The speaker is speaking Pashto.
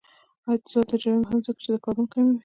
آزاد تجارت مهم دی ځکه چې د کاربن کموي.